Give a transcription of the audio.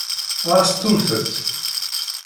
Ɣas ttumt-t.